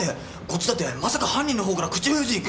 こっちだってまさか犯人のほうから口封じに。